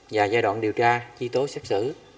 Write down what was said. và giai đoạn điều tra chi tố xét xử